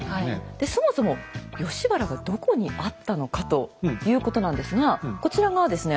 でそもそも吉原がどこにあったのか？ということなんですがこちらがですね